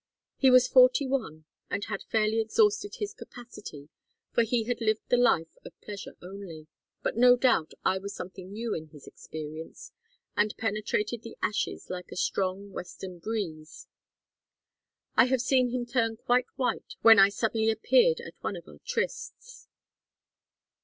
He was forty one and had fairly exhausted his capacity, for he had lived the life of pleasure only; but no doubt I was something new in his experience, and penetrated the ashes like a strong western breeze. I have seen him turn quite white when I suddenly appeared at one of our trysts.